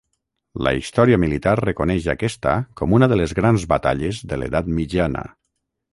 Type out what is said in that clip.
La història militar reconeix aquesta com una de les grans batalles de l'edat mitjana.